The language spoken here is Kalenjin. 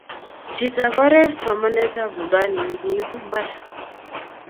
Chitap oree somanet ab rubani ni kiibu mbar?